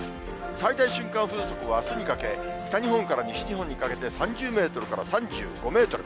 最大瞬間風速はあすにかけて、北日本から西日本にかけて３０メートルから３５メートル。